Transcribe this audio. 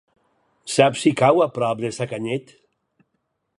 Saps si cau a prop de Sacanyet?